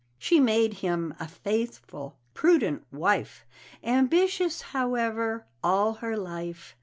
She made him a faithful, prudent wife Ambitious, however, all her life.